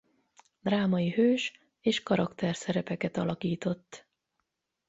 Drámai hős- és karakterszerepeket alakított.